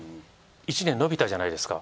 １年延びたじゃないですか。